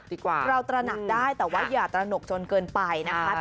เขาบอกว่า